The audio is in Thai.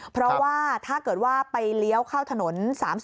เพราะว่าถ้าเกิดว่าไปเลี้ยวเข้าถนน๓๐